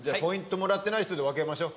もらってない人で分けましょう。